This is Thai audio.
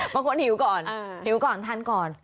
บางคนหิวก่อนหิวก่อนทานก่อน